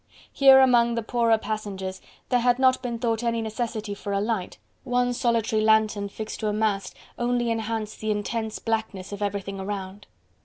Here among the poorer passengers, there had not been thought any necessity for a light, one solitary lantern fixed to a mast only enhanced the intense blackness of everything around.